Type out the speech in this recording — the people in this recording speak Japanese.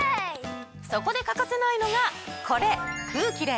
そこで欠かせないのがこれ。